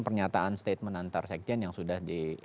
pernyataan statement antar sektien yang sudah